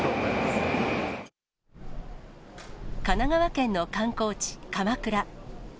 神奈川県の観光地、鎌倉。